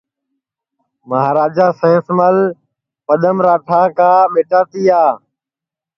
مہاراجا سینس مل پدم راٹا کا ٻیٹا تیا